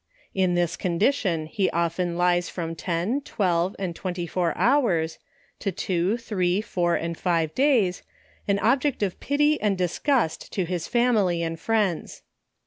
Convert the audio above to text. In this condition, he often lies from ten, twelve, and twenty four hours, to two, three, four, and five days, an object of pity and disgust to his family and friends.